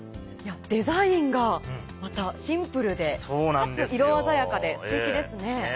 デザインがまたシンプルでかつ色鮮やかでステキですね。